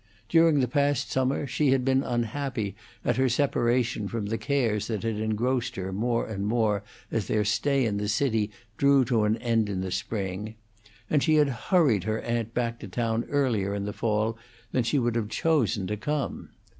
During the past summer she had been unhappy at her separation from the cares that had engrossed her more and more as their stay in the city drew to an end in the spring, and she had hurried her aunt back to town earlier in the fall than she would have chosen to come.